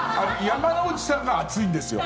山之内さんが暑いんですよ。